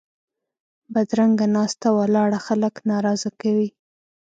بدرنګه ناسته ولاړه خلک ناراضه کوي